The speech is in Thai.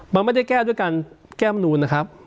มันไม่ได้แก้ด้วยการแก้มนูนนะครับ